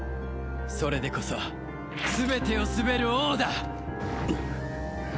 それでこそ全てを統べる王だ。